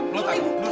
nurut sama ibu